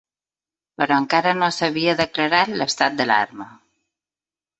Però encara no s’havia declarat l’estat d’alarma.